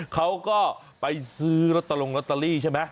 เขาก็ไปซื้อรัตตาลงรัตตาลีใช่ไหม